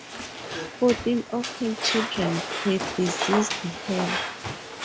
Fourteen of her children predeceased her.